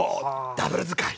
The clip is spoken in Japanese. ダブル使い！